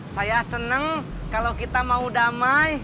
saya seneng kalo kita mau damai